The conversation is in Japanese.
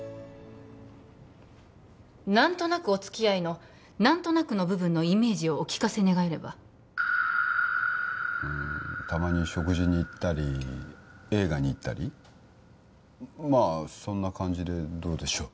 何となくお付き合いの何となくの部分のイメージをお聞かせ願えればうんたまに食事に行ったり映画に行ったりまあそんな感じでどうでしょう？